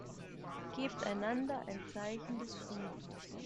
Gebt einander ein Zeichen des Friedens.